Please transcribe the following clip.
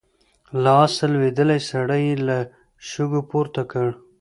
له آسه لوېدلی سړی يې له شګو پورته کړ.